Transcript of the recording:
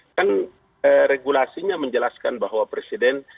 kan regulasinya menjelaskan bahwa presiden